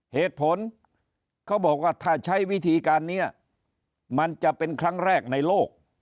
เหตุผลเขาบอกว่าถ้าใช้วิธีการนี้มันจะเป็นครั้งแรกในโลก